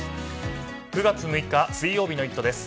９月６日水曜日の「イット！」です。